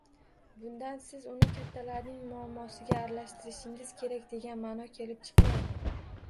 Bundan, siz uni kattalarning muammosiga aralashtirishingiz kerak, degan ma’no kelib chiqmaydi.